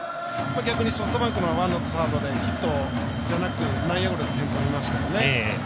逆にソフトバンクのワンアウト、サードでヒットじゃなく内野ゴロで点を取りましたよね。